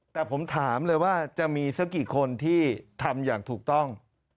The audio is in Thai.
แต่ผมถามเลยว่าจะมีสักกี่คนที่ทำอย่างถูกต้อง